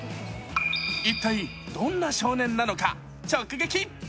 一体、どんな少年なのか直撃。